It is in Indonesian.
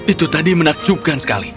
itu tadi menakjubkan sekali